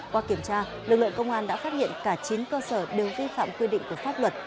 qua kiểm tra lực lượng công an đã phát hiện cả chín cơ sở đều vi phạm quy định của pháp luật